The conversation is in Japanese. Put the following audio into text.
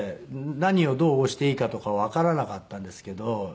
何をどう押していいかとかわからなかったんですけど